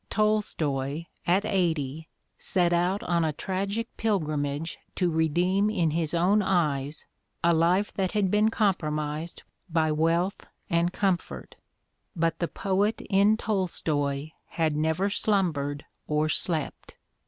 Tolstoy, at eighty, set out on a tragic pilgrimage to redeem in his own eyes a life that had been compromised by wealth and comfort: but the poet in Tolstoy had never slum bered nor slept!